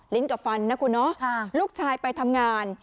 กับฟันนะคุณเนาะลูกชายไปทำงาน